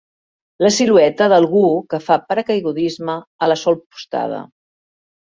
La silueta d'algú que fa paracaigudisme a la solpostada.